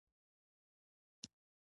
احمد چې علي وليد؛ خپه يې مړه شول.